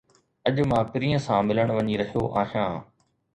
اڄ مان پرينءَ سان ملڻ وڃي رھيو آھيان.